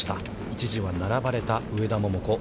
一時は並ばれた上田桃子。